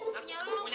punya elu bo